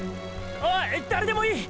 おい⁉誰でもいい！！